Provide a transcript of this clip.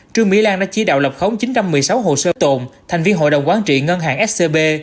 trương mỹ lan đã chỉ đạo lập khống chín trăm một mươi sáu hồ sơ tụng thành viên hội đồng quán trị ngân hàng scb